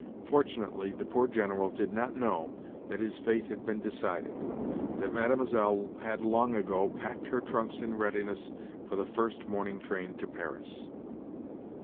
Fortunately, the poor General did not know that his fate had been decided—that Mlle. had long ago packed her trunks in readiness for the first morning train to Paris!